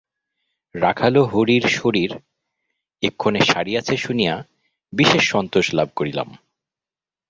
রাখাল ও হরির শরীর এক্ষণে সারিয়াছে শুনিয়া বিশেষ সন্তোষ লাভ করিলাম।